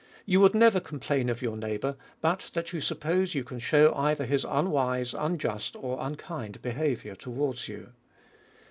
You would never complain of your neighbour, but that you suppose you can shew either his unwise, un just, or unkind behaviour towards you.